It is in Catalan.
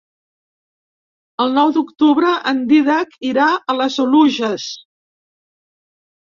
El nou d'octubre en Dídac irà a les Oluges.